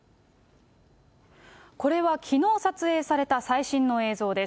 これは、きのう撮影された最新の映像です。